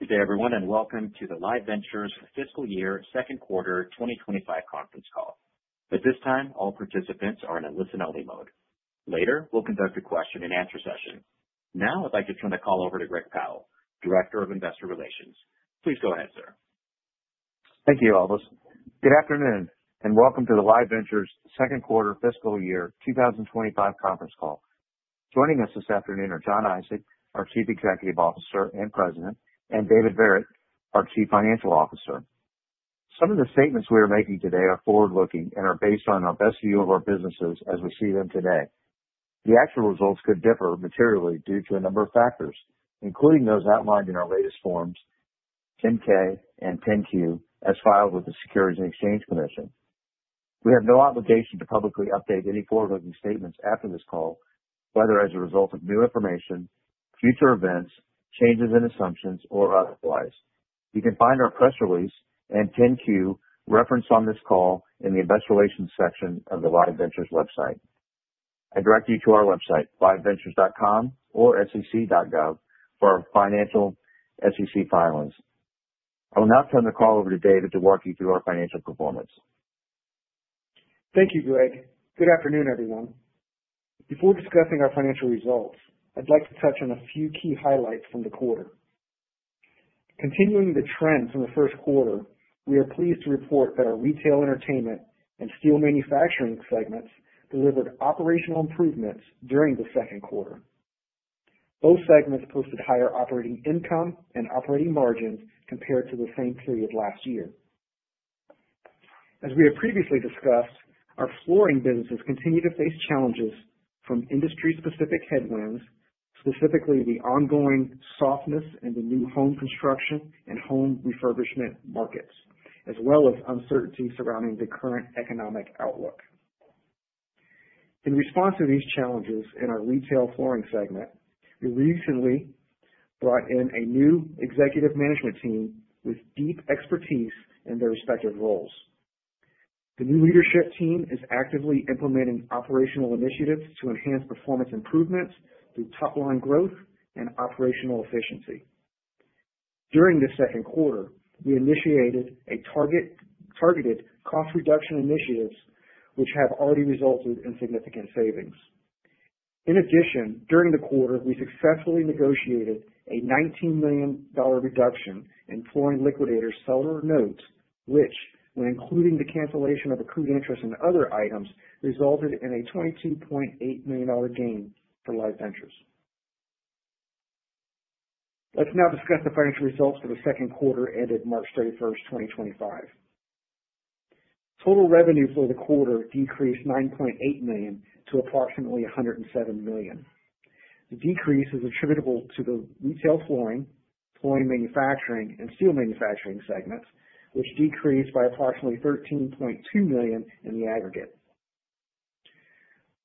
Good day, everyone, and welcome to the Live Ventures fiscal year second quarter 2025 conference call. At this time, all participants are in a listen-only mode. Later, we'll conduct a question-and-answer session. Now, I'd like to turn the call over to Greg Powell, Director of Investor Relations. Please go ahead, sir. Thank you, Albus. Good afternoon, and welcome to the Live Ventures Second Quarter Fiscal Year 2025 conference call. Joining us this afternoon are Jon Isaac, our Chief Executive Officer and President, and David Verret, our Chief Financial Officer. Some of the statements we are making today are forward-looking and are based on our best view of our businesses as we see them today. The actual results could differ materially due to a number of factors, including those outlined in our latest Forms 10-K and 10-Q as filed with the Securities and Exchange Commission. We have no obligation to publicly update any forward-looking statements after this call, whether as a result of new information, future events, changes in assumptions, or otherwise. You can find our press release and 10-Q referenced on this call in the Investor Relations section of the Live Ventures website. I direct you to our website, liveventures.com or sec.gov, for our financial SEC filings. I will now turn the call over to David to walk you through our financial performance. Thank you, Greg. Good afternoon, everyone. Before discussing our financial results, I'd like to touch on a few key highlights from the quarter. Continuing the trend from the first quarter, we are pleased to report that our retail, entertainment, and steel manufacturing segments delivered operational improvements during the second quarter. Both segments posted higher operating income and operating margins compared to the same period last year. As we have previously discussed, our flooring businesses continue to face challenges from industry-specific headwinds, specifically the ongoing softness in the new home construction and home refurbishment markets, as well as uncertainty surrounding the current economic outlook. In response to these challenges in our retail flooring segment, we recently brought in a new executive management team with deep expertise in their respective roles. The new leadership team is actively implementing operational initiatives to enhance performance improvements through top-line growth and operational efficiency. During the second quarter, we initiated targeted cost reduction initiatives, which have already resulted in significant savings. In addition, during the quarter, we successfully negotiated a $19 million reduction in Flooring Liquidators seller notes, which, when including the cancellation of accrued interest and other items, resulted in a $22.8 million gain for Live Ventures. Let's now discuss the financial results for the second quarter ended March 31st, 2025. Total revenue for the quarter decreased $9.8 million to approximately $107 million. The decrease is attributable to the Retail-Flooring, Flooring Manufacturing, and Steel Manufacturing segments, which decreased by approximately $13.2 million in the aggregate.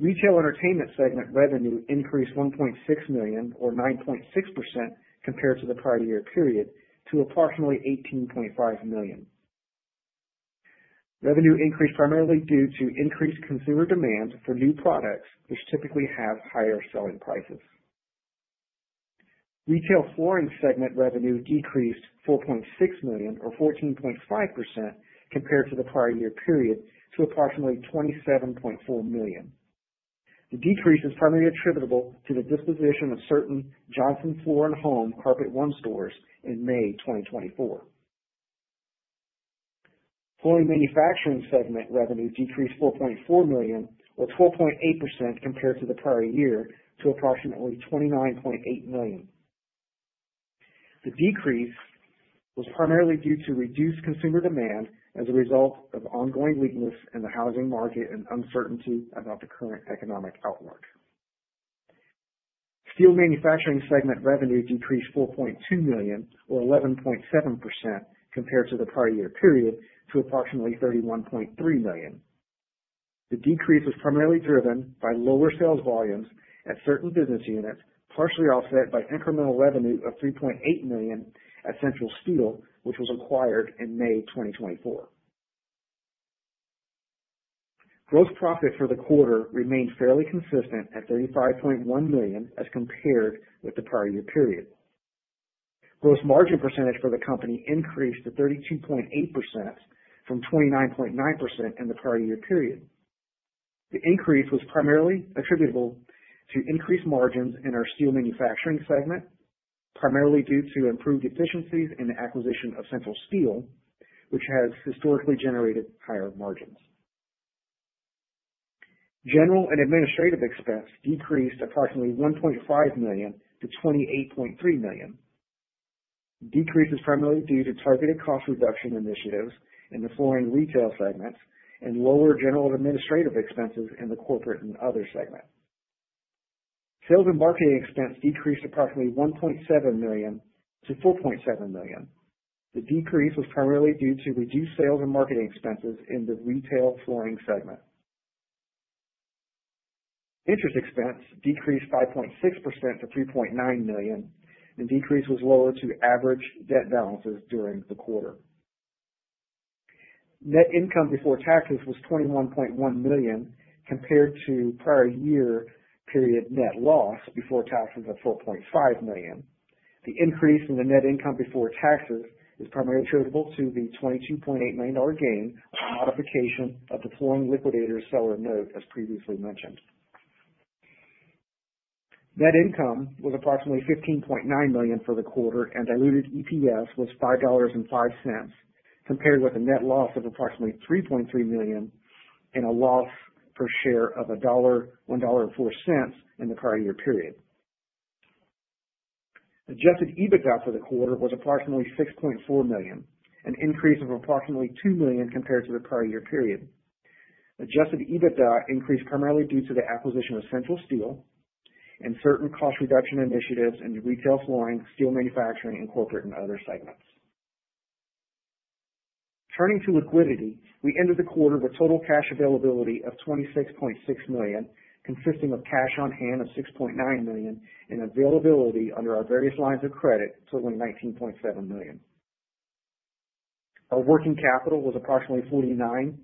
Retail-Entertainment segment revenue increased $1.6 million, or 9.6% compared to the prior year period, to approximately $18.5 million. Revenue increased primarily due to increased consumer demand for new products, which typically have higher selling prices. Retail-Flooring segment revenue decreased $4.6 million, or 14.5%, compared to the prior year period, to approximately $27.4 million. The decrease is primarily attributable to the disposition of certain Johnson Floor & Home Carpet One stores in May 2024. Flooring Manufacturing segment revenue decreased $4.4 million, or 12.8%, compared to the prior year, to approximately $29.8 million. The decrease was primarily due to reduced consumer demand as a result of ongoing weakness in the housing market and uncertainty about the current economic outlook. Steel Manufacturing segment revenue decreased $4.2 million, or 11.7%, compared to the prior year period, to approximately $31.3 million. The decrease was primarily driven by lower sales volumes at certain business units, partially offset by incremental revenue of $3.8 million at Central Steel, which was acquired in May 2024. Gross profit for the quarter remained fairly consistent at $35.1 million as compared with the prior year period. Gross margin percentage for the company increased to 32.8% from 29.9% in the prior year period. The increase was primarily attributable to increased margins in our steel manufacturing segment, primarily due to improved efficiencies in the acquisition of Central Steel, which has historically generated higher margins. General and administrative expense decreased approximately $1.5 million-$28.3 million. Decrease is primarily due to targeted cost reduction initiatives in the flooring retail segment and lower general and administrative expenses in the corporate and other segment. Sales and marketing expense decreased approximately $1.7 million-$4.7 million. The decrease was primarily due to reduced sales and marketing expenses in the retail flooring segment. Interest expense decreased 5.6% to $3.9 million, and decrease was lower to average debt balances during the quarter. Net income before taxes was $21.1 million compared to prior year period net loss before taxes of $4.5 million. The increase in the net income before taxes is primarily attributable to the $22.8 million gain on modification of the Flooring Liquidators seller note, as previously mentioned. Net income was approximately $15.9 million for the quarter, and diluted EPS was $5.05 compared with a net loss of approximately $3.3 million and a loss per share of $1.04 in the prior year period. Adjusted EBITDA for the quarter was approximately $6.4 million, an increase of approximately $2 million compared to the prior year period. Adjusted EBITDA increased primarily due to the acquisition of Central Steel and certain cost reduction initiatives in retail flooring, steel manufacturing, and corporate and other segments. Turning to liquidity, we ended the quarter with total cash availability of $26.6 million, consisting of cash on hand of $6.9 million and availability under our various lines of credit, totaling $19.7 million. Our working capital was approximately $49.1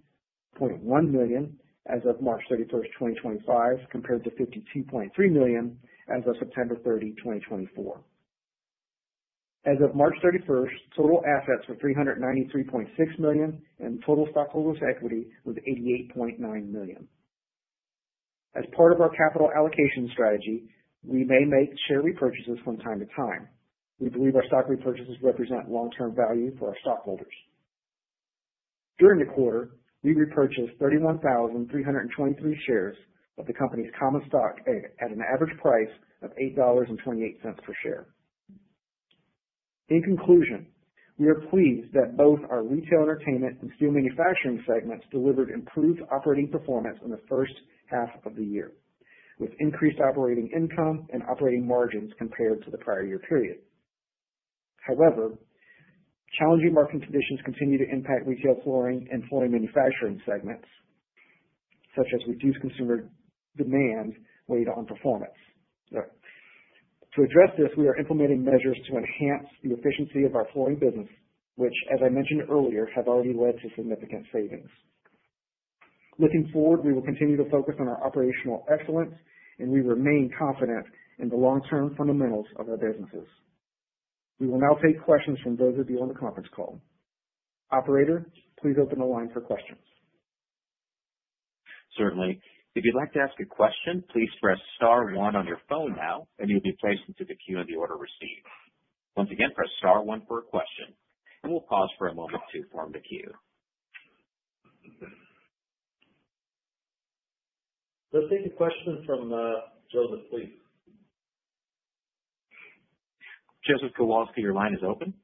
million as of March 31, 2025, compared to $52.3 million as of September 30, 2024. As of March 31st, total assets were $393.6 million, and total stockholders' equity was $88.9 million. As part of our capital allocation strategy, we may make share repurchases from time to time. We believe our stock repurchases represent long-term value for our stockholders. During the quarter, we repurchased 31,323 shares of the company's common stock at an average price of $8.28 per share. In conclusion, we are pleased that both our retail-entertainment and steel manufacturing segments delivered improved operating performance in the first half of the year, with increased operating income and operating margins compared to the prior year period. However, challenging market conditions continue to impact retail-flooring and flooring manufacturing segments, such as reduced consumer demand weighed on performance. To address this, we are implementing measures to enhance the efficiency of our flooring business, which, as I mentioned earlier, have already led to significant savings. Looking forward, we will continue to focus on our operational excellence, and we remain confident in the long-term fundamentals of our businesses. We will now take questions from those of you on the conference call. Operator, please open the line for questions. Certainly. If you'd like to ask a question, please press star one on your phone now, and you'll be placed into the queue in the order received. Once again, press star one for a question, and we'll pause for a moment to form the queue. Let's take a question from Joseph, please. Joseph Kowalski, your line is open.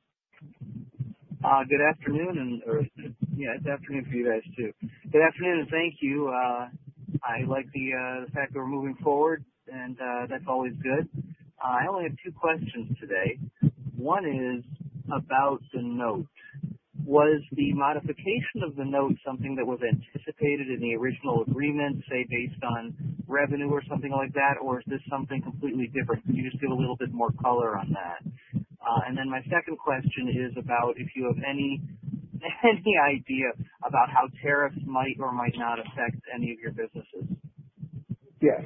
Good afternoon, and yeah, it's afternoon for you guys too. Good afternoon, and thank you. I like the fact that we're moving forward, and that's always good. I only have two questions today. One is about the note. Was the modification of the note something that was anticipated in the original agreement, say, based on revenue or something like that, or is this something completely different? Could you just give a little bit more color on that? My second question is about if you have any idea about how tariffs might or might not affect any of your businesses. Yes.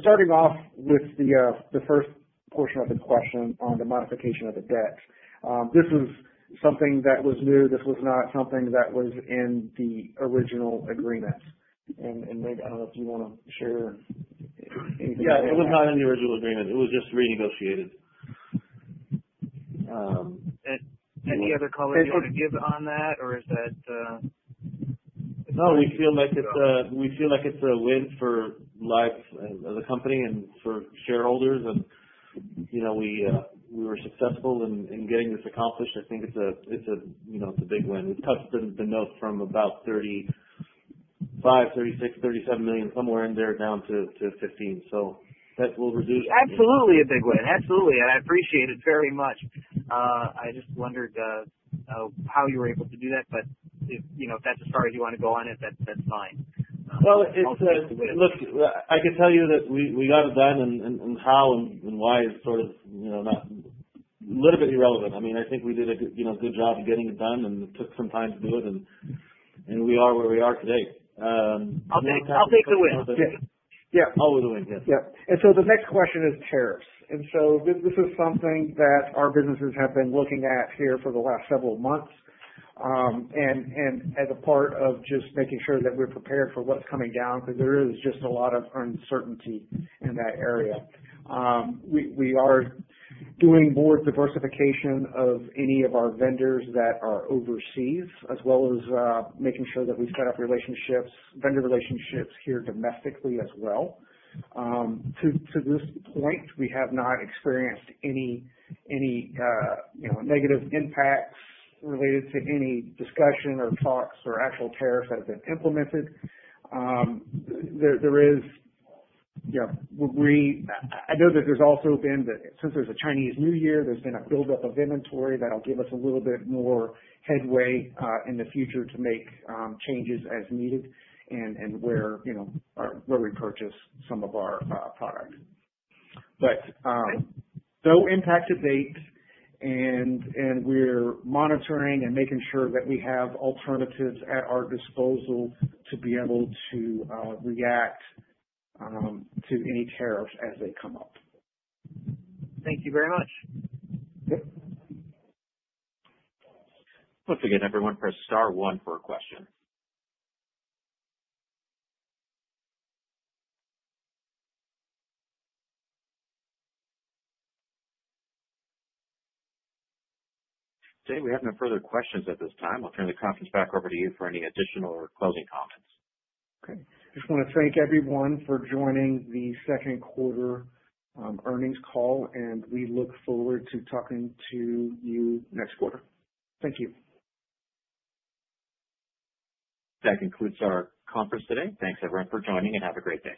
Starting off with the first portion of the question on the modification of the debt, this was something that was new. This was not something that was in the original agreement. Maybe I do not know if you want to share anything. Yeah, it was not in the original agreement. It was just renegotiated. Any other color you want to give on that, or is that? No, we feel like it's a win for Live as a company and for shareholders. We were successful in getting this accomplished. I think it's a big win. We've cut the note from about $35 million, $36 million, $37 million, somewhere in there, down to $15 million. So that will reduce. Absolutely a big win. Absolutely. I appreciate it very much. I just wondered how you were able to do that, but if that's as far as you want to go on it, that's fine. Look, I can tell you that we got it done, and how and why is sort of a little bit irrelevant. I mean, I think we did a good job of getting it done, and it took some time to do it, and we are where we are today. I'll take the win. Always a win, yes. Yeah. The next question is tariffs. This is something that our businesses have been looking at here for the last several months as a part of just making sure that we're prepared for what's coming down because there is just a lot of uncertainty in that area. We are doing more diversification of any of our vendors that are overseas, as well as making sure that we set up vendor relationships here domestically as well. To this point, we have not experienced any negative impacts related to any discussion or talks or actual tariffs that have been implemented. I know that since there's a Chinese New Year, there's been a buildup of inventory that'll give us a little bit more headway in the future to make changes as needed and where we purchase some of our product. No impact to date, and we're monitoring and making sure that we have alternatives at our disposal to be able to react to any tariffs as they come up. Thank you very much. Once again, everyone, press star one for a question. Okay. We have no further questions at this time. I'll turn the conference back over to you for any additional or closing comments. Okay. I just want to thank everyone for joining the second quarter earnings call, and we look forward to talking to you next quarter. Thank you. That concludes our conference today. Thanks, everyone, for joining, and have a great day.